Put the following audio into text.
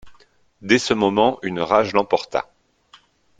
Dès ce moment, une rage l'emporta.